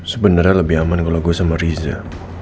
sebenarnya lebih aman kalau gue sama riza